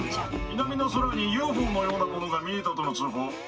南の空にＵＦＯのようなものが見えたとの通報。